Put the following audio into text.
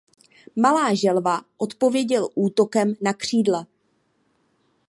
Malá želva odpověděl útokem na křídla.